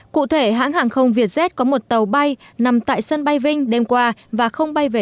cụ thể hãng hàng không vietjet có một tàu bay nằm tại sân bay vinh qua và không bay về